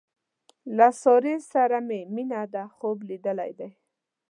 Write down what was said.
له سارې سره مې مینه دې خوب لیدل دي.